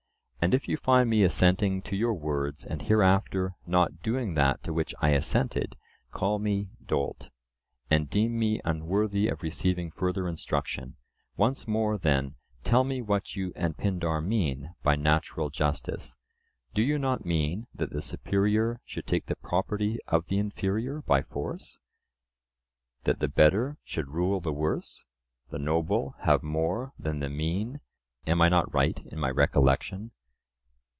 And if you find me assenting to your words, and hereafter not doing that to which I assented, call me "dolt," and deem me unworthy of receiving further instruction. Once more, then, tell me what you and Pindar mean by natural justice: Do you not mean that the superior should take the property of the inferior by force; that the better should rule the worse, the noble have more than the mean? Am I not right in my recollection?